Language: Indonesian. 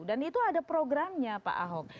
dan itu ada programnya pak ahok